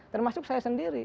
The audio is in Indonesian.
termasuk saya sendiri